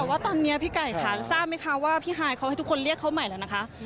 แต่ว่าตอนนี้พี่ไก่ค่ะทราบไหมคะว่าพี่ฮายเขาให้ทุกคนเรียกเขาใหม่แล้วนะคะ